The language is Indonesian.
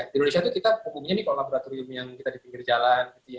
di indonesia kita umumnya kalau laboratorium yang kita di pinggir jalan